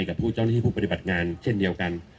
กับผู้เจ้าหน้าที่ผู้ปฏิบัติงานเช่นเดียวกัน